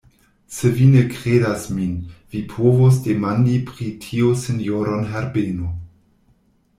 Se vi ne kredas min, vi povos demandi pri tio sinjoron Herbeno.